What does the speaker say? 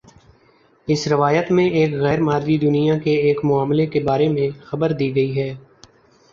اس روایت میں اس غیر مادی دنیا کے ایک معاملے کے بارے میں خبردی گئی ہے